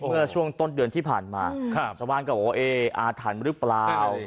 เมื่อช่วงต้นเดือนที่ผ่านมาสะวานกับโอเออาถันหรือเปล่า